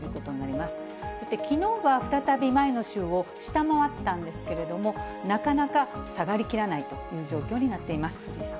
そして、きのうは再び前の週を下回ったんですけれども、なかなか下がりきらないという状況になっています、藤井さん。